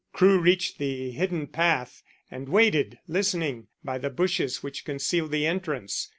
Crewe reached the hidden path, and waited, listening, by the bushes which concealed the entrance.